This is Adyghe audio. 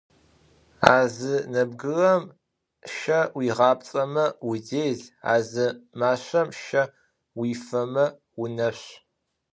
A zı nebgırem şe vuiğapts'eme vudel, a zı maşşem şe vuifeme vuneşsu.